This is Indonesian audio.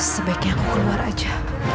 sebaiknya aku keluar aja